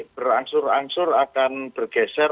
berangsur angsur akan bergeser